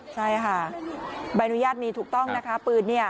ใช่ค่ะใบอนุญาตมีถูกต้องนะคะปืนเนี่ย